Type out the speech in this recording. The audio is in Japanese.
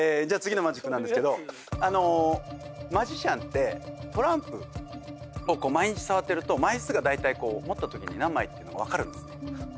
じゃあ次のマジックなんですけどマジシャンってトランプを毎日触ってると枚数が大体持った時に何枚っていうの分かるんですね。